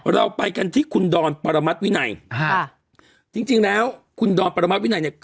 เราไปกันที่คุณดอนปรมัติวินัยฮะจริงแล้วคุณดอนประมาทวินัยเนี่ย